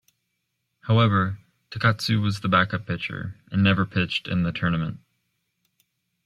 However, Takatsu was the backup pitcher, and never pitched in the tournament.